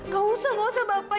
gak usah gak usah bapak